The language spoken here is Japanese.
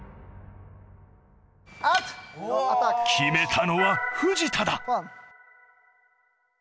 決めたのは藤田だ。